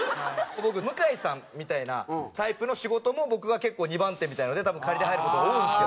僕向井さんみたいなタイプの仕事も僕が結構２番手みたいので多分で入る事が多いんですよ。